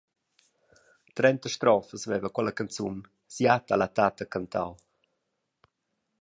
Trenta strofas veva quella canzun, siat ha la tatta cantau.